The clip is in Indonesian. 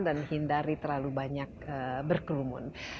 dan hindari terlalu banyak berkelumun